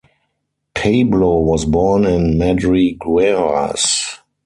Pablo was born in Madrigueras.